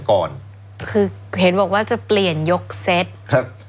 ครับ